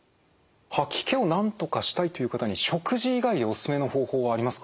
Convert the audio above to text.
吐き気をなんとかしたいという方に食事以外でおすすめの方法はありますか？